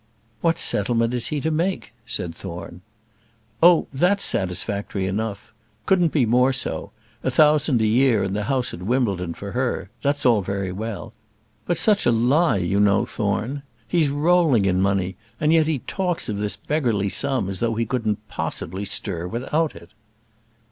"What settlement is he to make?" said Thorne. "Oh, that's satisfactory enough; couldn't be more so; a thousand a year and the house at Wimbledon for her; that's all very well. But such a lie, you know, Thorne. He's rolling in money, and yet he talks of this beggarly sum as though he couldn't possibly stir without it."